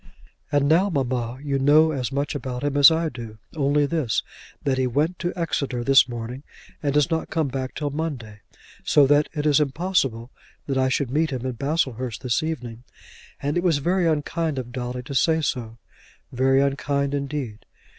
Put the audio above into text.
"And now, mamma, you know as much about him as I do; only this, that he went to Exeter this morning, and does not come back till Monday, so that it is impossible that I should meet him in Baslehurst this evening; and it was very unkind of Dolly to say so; very unkind indeed."